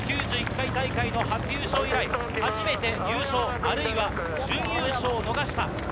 ９１回大会の初優勝以来、初めて優勝、あるいは準優勝を逃した。